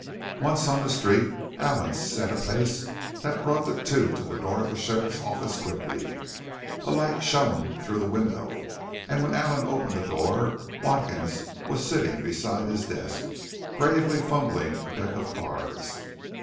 Once on the street Allen set a pace that brought the two to the door of the sheriff's office quickly. A light shone through the window and when Allen opened the door Watkins was sitting beside his desk, gravely fumbling a deck of cards.